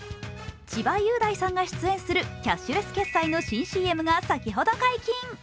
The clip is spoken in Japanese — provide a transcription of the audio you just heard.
千葉雄大さんが出演するキャッシュレス決済の新ＣＭが先ほど解禁。